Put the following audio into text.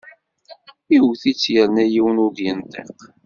Iwet-itt yerna yiwen ur d-yenṭiq!